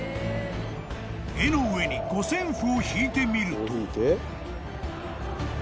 ［絵の上に五線譜を引いてみると］